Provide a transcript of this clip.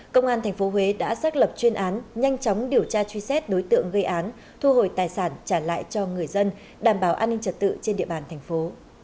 công an tp huế đã xác lập chuyên án nhanh chóng điều tra truy xét đối tượng gây án thu hồi tài sản trả lại cho người dân đảm bảo an ninh trật tự trên địa bàn thành phố